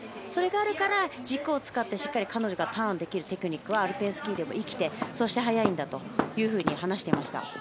それがあるから軸を使ってしっかりターンできるテクニックがアルペンスキーでも生きて速いんだと話していました。